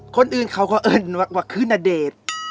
คนอื่นเค้าก็เอิญว่าคือนเด็บ